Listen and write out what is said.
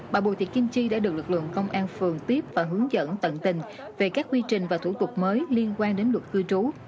bà bùi thị kim chi đã được lực lượng công an phường tiếp và hướng dẫn tận tình về các quy trình và thủ tục mới liên quan đến luật cư trú